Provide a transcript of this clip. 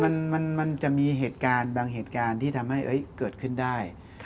ใช่มันจะมีบางเหตุการณ์ที่ทำให้เกิดขึ้นได้